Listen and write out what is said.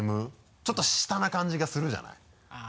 ちょっと下な感じがするじゃないあぁ